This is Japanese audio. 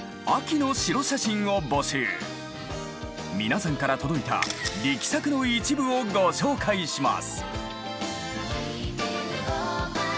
皆さんから届いた力作の一部をご紹介します。